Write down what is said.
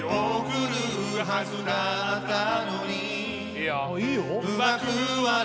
いいよいいよ？